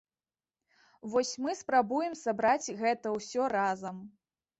Вось мы спрабуем сабраць гэта ўсё разам.